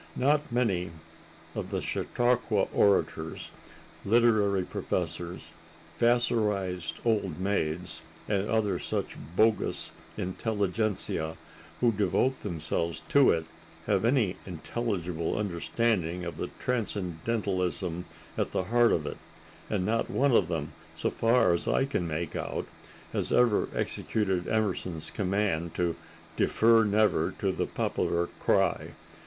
Not many of the chautauqua orators, literary professors, vassarized old maids and other such bogus intelligentsia who devote themselves to it have any intelligible understanding of the Transcendentalism at the heart of it, and not one of them, so far as I can make out, has ever executed Emerson's command to "defer never to the popular cry."